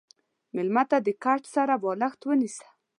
مېلمه ته د کټ سره بالښت ونیسه.